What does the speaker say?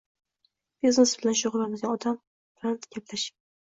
biznes bilan shugʻullanadigan odam bilan gaplashing.